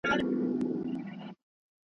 چای د مېلمنو درناوی ګڼل کېږي.